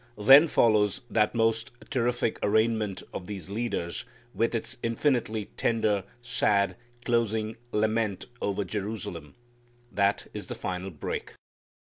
Then follows that most terrific arraignment of these leaders, with its infinitely tender, sad, closing lament over Jerusalem. That is the final break.